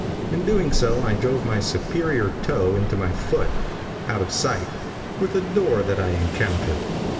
In doing so I drove my superior toe into my foot, out of sight, with a door that I encountered.